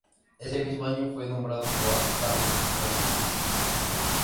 Ese mismo año fue nombrado par de Francia.